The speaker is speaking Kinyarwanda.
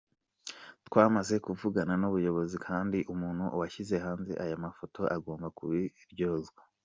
Twamaze kuvugana n’ubuyobozi kandi umuntu washyize hanze aya mafoto agomba kubiryozwa.